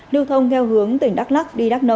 lưu thông theo hướng tỉnh đắk lắc